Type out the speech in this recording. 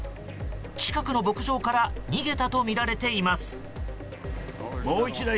近くの牧場から逃げたとみられています。